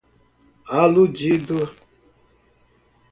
aludido